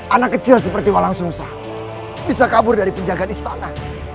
anak kecil seperti walah sung sang bisa kabur dari penjagaan istana